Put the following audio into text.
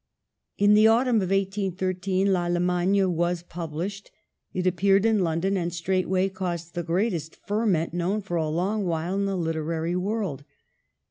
In the autumn of 18 13 UAllemagne was pub lished. It appeared in London, and straightway caused the greatest ferment known for a long while in the literary world.